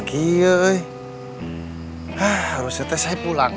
kita harus berjalan